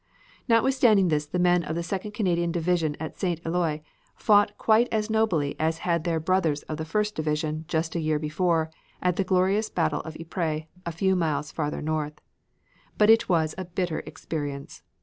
Notwithstanding this the men of the Second Canadian Division at St. Eloi fought quite as nobly as had their brothers of the First Division just a year before, at the glorious battle of Ypres, a few miles farther north. But it was a bitter experience.